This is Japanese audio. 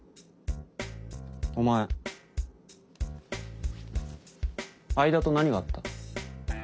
お前愛田と何があった？